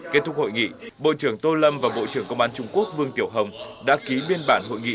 kết thúc hội nghị bộ trưởng tô lâm và bộ trưởng công an trung quốc vương tiểu hồng đã ký biên bản hội nghị